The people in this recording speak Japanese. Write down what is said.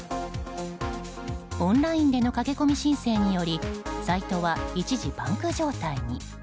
オンラインでの駆け込み申請によりサイトは一時パンク状態に。